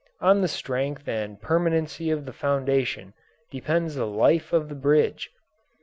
On the strength and permanency of the foundation depends the life of the bridge.